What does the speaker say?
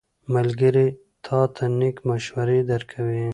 ملګری تا ته نېک مشورې درکوي.